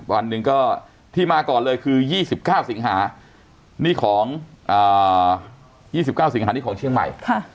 วันหนึ่งก็ที่มาก่อนเลยคือ๒๙สิงหานี่ของเชียงใหม่